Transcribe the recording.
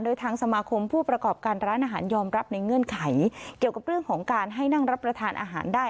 โดยทางสมาคมผู้ประกอบการร้านอาหารยอมรับในเงื่อนไขเกี่ยวกับเรื่องของการให้นั่งรับประทานอาหารได้